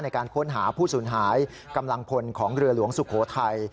ในการค้นหาผู้สูญหายกำลังพลของเรือหลวงสุโขทัย